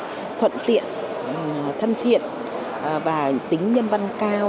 những công trình thuận tiện thân thiện và tính nhân văn cao